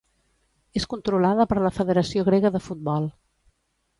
És controlada per la Federació Grega de Futbol.